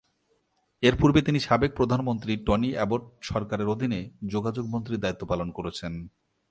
এরপূর্বে তিনি সাবেক প্রধানমন্ত্রী টনি অ্যাবট সরকারের অধীনে যোগাযোগ মন্ত্রীর দায়িত্ব পালন করেছেন।